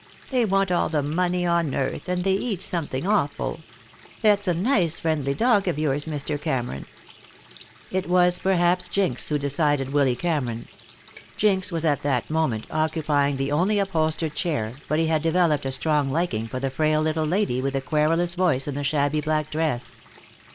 They want all the money on earth, and they eat something awful. That's a nice friendly dog of yours, Mr. Cameron." It was perhaps Jinx who decided Willy Cameron. Jinx was at that moment occupying the only upholstered chair, but he had developed a strong liking for the frail little lady with the querulous voice and the shabby black dress.